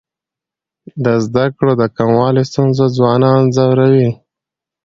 د زده کړو د کموالي ستونزه ځوانان ځوروي.